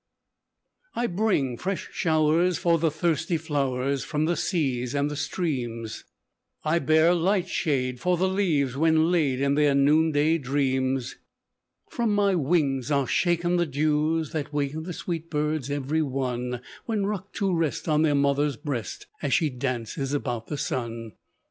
"I bring fresh showers for the thirsty flowers, From the seas and the streams, I bear light shade for the leaves when laid In their noonday dreams. From my wings are shaken the dews that waken The sweet birds every one, When rocked to rest on their mother's breast, As she dances about the sun.